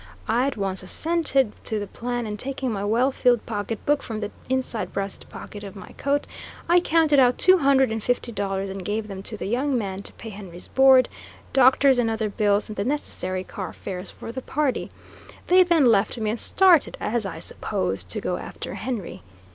I at once assented to the plan, and taking my well filled pocket book from the inside breast pocket of my coat, I counted out two hundred and fifty dollars and gave them to the young man to pay Henry's board, doctor's and other bills, and the necessary car fares for the party. They then left me and started, as I supposed, to go after Henry.